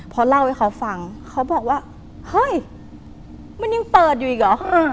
พอเล่าให้เขาฟังเขาบอกว่าเฮ้ยมันยังเปิดอยู่อีกเหรอ